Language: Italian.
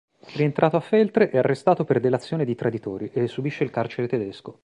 Rientrato a Feltre è arrestato per delazione di traditori e subisce il carcere tedesco.